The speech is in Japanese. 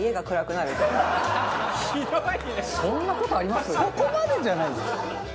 そこまでじゃないですけどね。